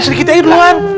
ya sedikit aja duluan